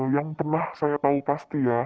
yang pernah saya tahu pasti ya